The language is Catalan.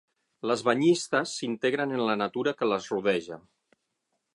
Les banyistes s'integren en la natura que les rodeja.